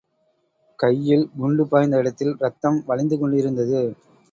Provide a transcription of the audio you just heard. கையில் குண்டு பாய்ந்த இடத்தில் ரத்தம் வழிந்து கொண்டிருந்தது.